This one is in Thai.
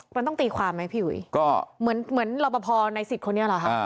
มันต้องตีความไหมพี่อุ๋ยก็เหมือนเหมือนรอปภในสิทธิ์คนนี้เหรอคะ